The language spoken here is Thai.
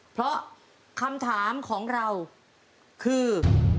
เพราะคำถามของเราคือ